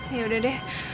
ya udah deh